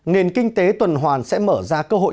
nền kinh tế tôn hoàn là một nền kinh tế tôn hoàn